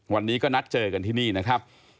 วันนี้ก็นัดเจอกันที่นี่นะครับ